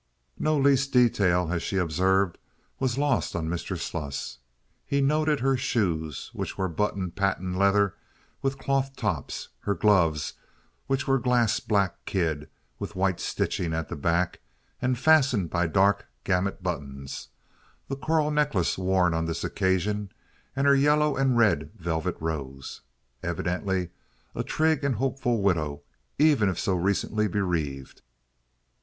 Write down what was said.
No least detail, as she observed, was lost on Mr. Sluss. He noted her shoes, which were button patent leather with cloth tops; her gloves, which were glace black kid with white stitching at the back and fastened by dark gamet buttons; the coral necklace worn on this occasion, and her yellow and red velvet rose. Evidently a trig and hopeful widow, even if so recently bereaved.